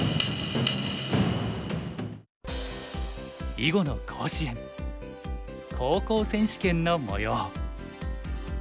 囲碁の甲子園高校選手権のもよう。